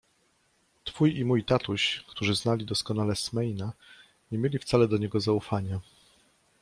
Twój i mój tatuś, którzy znali doskonale Smaina, nie mieli wcale do niego zaufania.